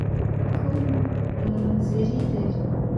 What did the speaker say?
کوم نومځري دي.